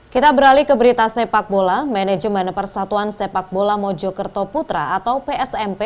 kita beralih ke berita sepak bola manajemen persatuan sepak bola mojokerto putra atau psmp